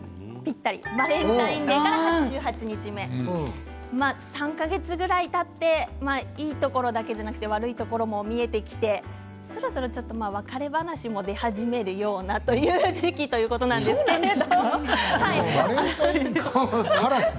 バレンタインデーから８８日目、３か月ぐらいたっていいところだけでなくて悪いところも見えてきてそろそろちょっと別れ話も出始めるようなという時期ということなんですけど。